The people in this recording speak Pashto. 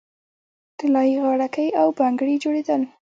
طلايي غاړکۍ او بنګړي جوړیدل